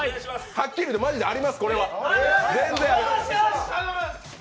はっきり言ってマジであります。